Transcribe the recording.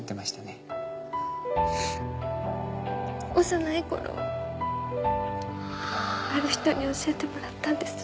幼い頃ある人に教えてもらったんです。